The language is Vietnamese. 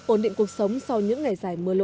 ổn định cuộc sống sau những ngày dài mưa lũ